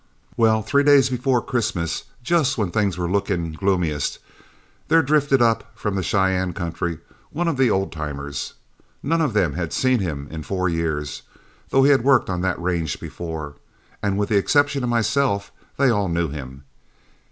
"Well, three days before Christmas, just when things were looking gloomiest, there drifted up from the Cheyenne country one of the old timers. None of them had seen him in four years, though he had worked on that range before, and with the exception of myself, they all knew him.